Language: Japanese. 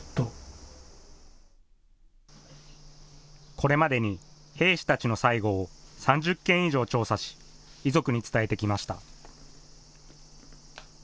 これまでに兵士たちの最期を３０件以上調査し、遺族に伝えてきました。